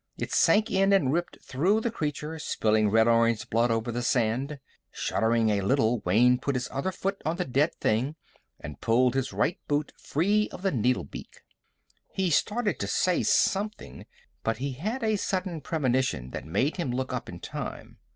It sank in and ripped through the creature, spilling red orange blood over the sand. Shuddering a little, Wayne put his other foot on the dead thing and pulled his right boot free of the needle beak. He started to say something, but he had a sudden premonition that made him look up in time.